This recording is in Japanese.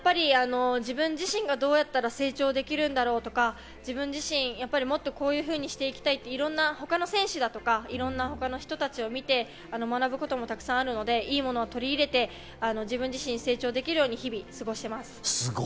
自分自身がどうやったら成長できるんだろうとか、自分自身、もっとこうやっていきたいとか、他の選手だとか、他の人たちを見て、学ぶこともたくさんあるので、良いものを取り入れて自分自身、成長できるように日々過ごしています。